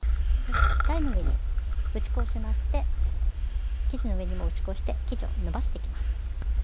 台の上に打ち粉をしまして生地の上にも打ち粉をして生地をのばしていきます。